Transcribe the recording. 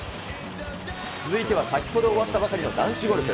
続いては、先ほど終わったばかりの男子ゴルフ。